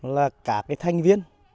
là cả cái thanh viên